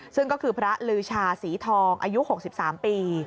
ซึ่งก็คือพระลือชาศรีทองอายุ๖๓ปี